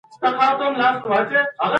دغه مهم کار باید دستي ترسره سي.